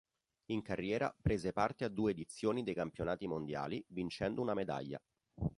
In carriera prese parte a due edizioni dei Campionati mondiali, vincendo una medaglia.